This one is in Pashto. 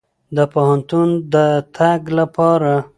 د پوهنتون د تګ لپاره.